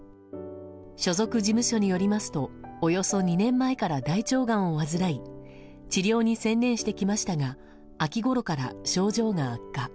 所属事務所によりますとおよそ２年前から大腸がんを患い治療に専念してきましたが秋ごろから症状が悪化。